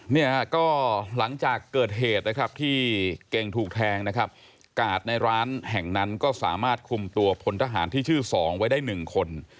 เนี่ยฮะก็หลังจากเกิดเหตุนะครับที่เก่งถูกแทงนะครับกาดในร้านแห่งนั้นก็สามารถคุมตัวพลทหารที่ชื่อสองไว้ได้หนึ่งคน